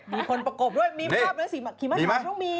มีคนประโกบด้วยมีภาพนั้นซีมะขี่มะขาวต้องมี